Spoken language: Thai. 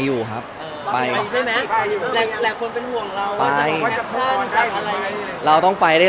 แล้วถ่ายละครมันก็๘๙เดือนอะไรอย่างนี้